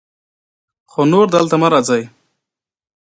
خو نور دلته مه راځئ.